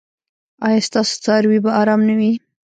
ایا ستاسو څاروي به ارام نه وي؟